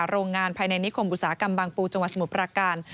โรงงานภายในนิคมอุตสาหกรรมบางปูจังหวัดสมุทรประการ